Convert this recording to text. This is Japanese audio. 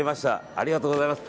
ありがとうございます。